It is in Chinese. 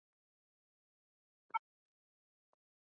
嘉热活佛系统是强巴林寺的第五大活佛系统。